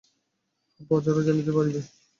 প্রজারা জানিতেই পারিবে।